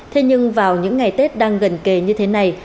thế nhưng vào những ngày tết đang gần kề như thế này